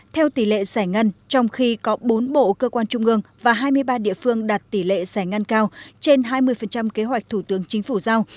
theo tỷ lệ giải ngân trong khi có bốn bộ cơ quan trung ương và hai mươi ba địa phương đạt tỷ lệ giải ngân cao trên hai mươi kế hoạch thủ tướng chính phủ giao